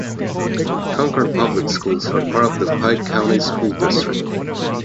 Concord Public Schools are part of the Pike County School District.